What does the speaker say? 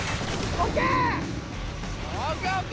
ＯＫ